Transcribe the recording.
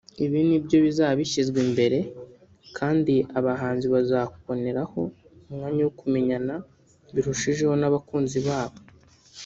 Ibi nibyo bizaba bishyizwe imbere kandi abahanzi bakazaboneraho umwanya wo kumenyana birushijeho n’abakunzi babo